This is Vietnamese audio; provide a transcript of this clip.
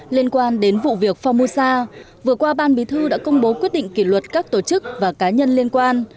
liên quan đến vụ việc phongmosa vừa qua ban bí thư đã công bố quyết định kỷ luật các tổ chức và cá nhân liên quan